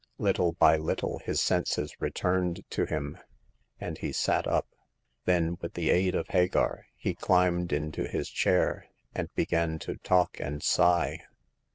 Little by little his senses returned to him, and he sat up. Then, with the aid of Hagar, he climbed into his chair, and began to talk and sigh.